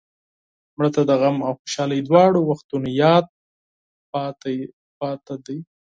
مړه ته د غم او خوشحالۍ دواړو وختونو یاد پاتې دی